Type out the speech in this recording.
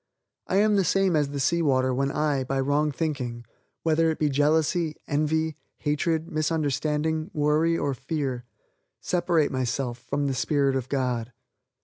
I am the same as the sea water when I, by wrong thinking: whether it be jealousy, envy, hatred, misunderstanding, worry or fear separate myself from the spirit of God.